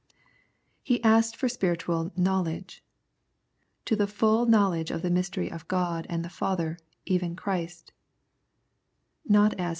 He asked for spiritual knowledge :" To the full knowledge of the mystery of God and the Father, even Christ " (not as A.